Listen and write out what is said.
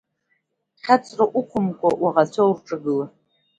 Хьаҵра уқәымкәа, уаӷацәа рҿагылара…